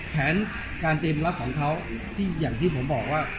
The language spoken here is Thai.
แผนการเตรียมรับของเขาที่อย่างที่ผมบอกว่า